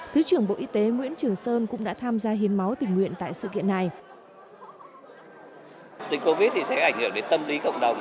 thứ trưởng bộ y tế nguyễn trường sơn cũng đã tham gia hiến máu tình nguyện tại sự kiện này